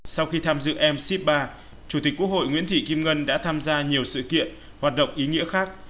sau khi tham dự mc ba chủ tịch quốc hội nguyễn thị kim ngân đã tham gia nhiều sự kiện hoạt động ý nghĩa khác